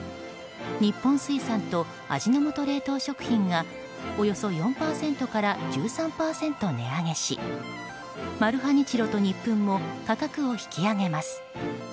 日本水産と味の素冷凍食品がおよそ４％から１３％値上げしマルハニチロとニップンも価格を引き上げます。